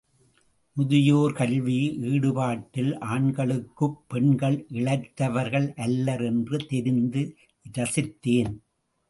முதியோர் கல்வி ஈடுபாட்டில், ஆண்களுக்குப் பெண்கள் இளைத்தவர்கள் அல்லர் என்று தெரிந்து இரசித்தேன்.